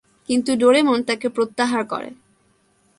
কিন্তু ডোরেমন তাকে প্রত্যাহার করে।